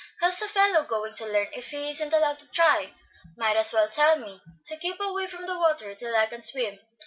"How's a fellow going to learn if he isn't allowed to try? Might as well tell me to keep away from the water till I can swim.